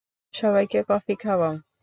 সবাইকে কফি খাওয়াও।